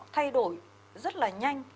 thay đổi rất là nhanh